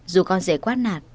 dù con dễ quát nạt